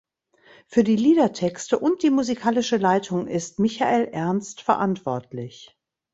Für die Liedertexte und die musikalische Leitung ist Michael Ernst verantwortlich.